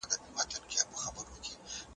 خپل مالونه په ښه لار ولګوئ.